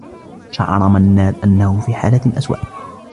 شعر منّاد أنّه في حالة أسوء.